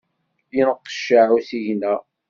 Yenqeccaε usigna.